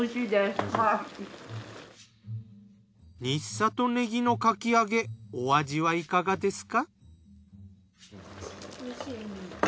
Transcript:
新里ねぎのかき揚げお味はいかがですか？